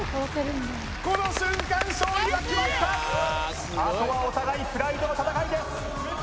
この瞬間勝利が決まったあとはお互いプライドの戦いです